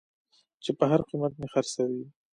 چې په هر قېمت مې خرڅوې.